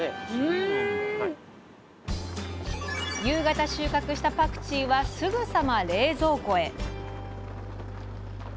夕方収穫したパクチーはすぐさま冷蔵庫へ！